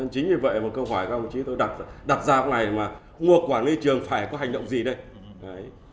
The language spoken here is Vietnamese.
chính vì vậy mà câu hỏi của ông chí tôi đặt ra hôm nay là nguộc quản lý trường phải có hành động gì đây